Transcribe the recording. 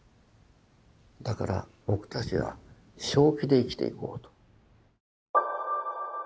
だから僕たちは「正気」で生きていこうと。